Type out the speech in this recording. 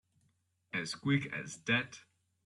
As quick as that?